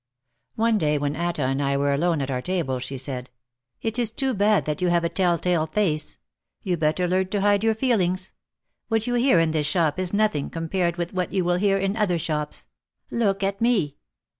One day when Atta and I were alone at our table she said: "It is too bad that you have a 'tell tale face/ You better learn to hide your feelings. What you hear in this shop is nothing compared with what you will hear in other shops. Look at me."